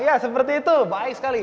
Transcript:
ya seperti itu baik sekali